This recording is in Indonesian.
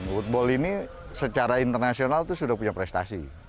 woodball ini secara internasional itu sudah punya prestasi